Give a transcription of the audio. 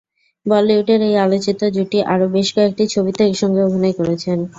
বলিউডের এই আলোচিত জুটি আরও বেশ কয়েকটি ছবিতে একসঙ্গে অভিনয় করেছেন।